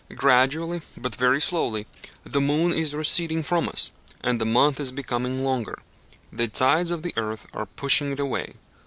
Gradually, but very slowly, the moon is receding from us, and the month is becoming longer. The tides of the earth are pushing it away.